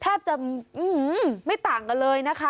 แทบจะไม่ต่างกันเลยนะคะ